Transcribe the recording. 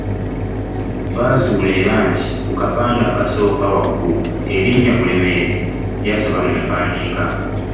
Twazuula era nti ku kapande akasooka waggulu erinnya Bulemeezi lyasoba mu mpandiika.